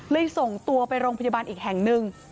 ส่งตัวไปโรงพยาบาลอีกแห่งหนึ่ง